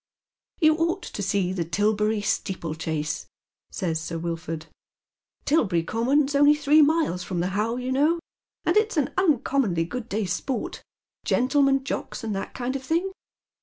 "You ought to see Tilberry steeplechase," says Sir Wilford. " Tilberry Common's only three miles from the How, you know, and it's an uncommonly good day's sport, gentlemen jocks, and that kind of thing.